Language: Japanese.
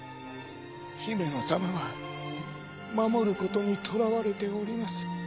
ヒメノ様は守ることにとらわれております。